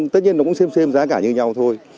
tất nhiên nó cũng xem xem giá cả như nhau thôi